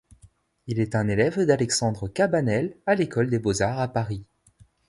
Il est un élève d'Alexandre Cabanel à l'école des Beaux-Arts à Paris.